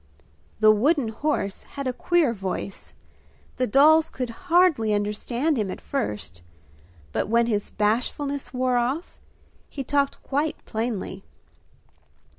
The wooden horse had a queer voice; the dolls could hardly understand him at first, but when his bashfulness wore off, he talked quite plainly.